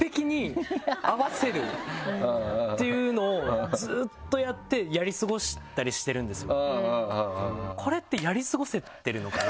っていうのをずっとやってやり過ごしたりしてるんですよ。